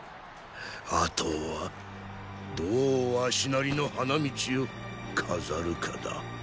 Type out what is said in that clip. あとはどう儂なりの“花道”を飾るかだ。